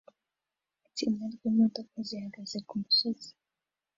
Itsinda ryimodoka zihagaze kumusozi